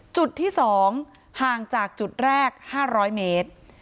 จุดที่๒ห่างจากจุดแรก๕๐๐เมตร